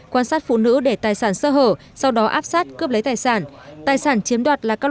quan sát phụ nữ để tài sản sơ hở sau đó áp sát cướp lấy tài sản tài sản chiếm đoạt là con